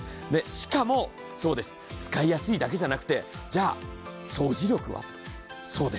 しかもそうです使いやすいだけじゃなくてじゃあ掃除力はと。